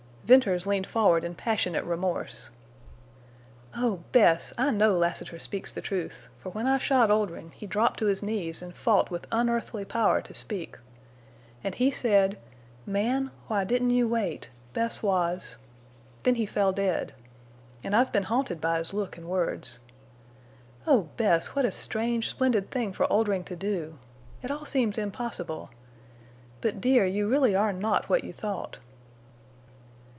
Venters leaned forward in passionate remorse. "Oh, Bess! I know Lassiter speaks the truth. For when I shot Oldring he dropped to his knees and fought with unearthly power to speak. And he said: 'Man—why—didn't—you—wait? Bess was—' Then he fell dead. And I've been haunted by his look and words. Oh, Bess, what a strange, splendid thing for Oldring to do! It all seems impossible. But, dear, you really are not what you thought."